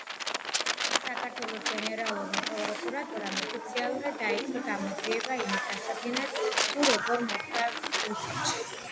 საქართველოს გენერალურმა პროკურატურამ ოფიციალურად დაიწყო გამოძიება იმის დასადგენად, თუ როგორ მოხვდა რუსეთში.